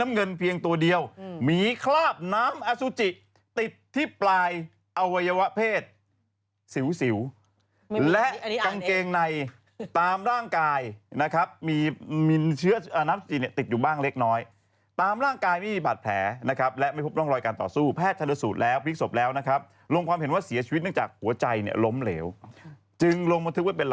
มาแล้วนี่แบร์คเข้าไปนะอีกคนเดินมาเดี๋ยวนี่